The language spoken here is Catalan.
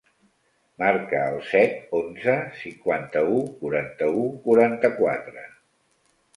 Marca el set, onze, cinquanta-u, quaranta-u, quaranta-quatre.